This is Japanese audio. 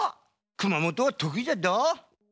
熊本はとくいじゃっど。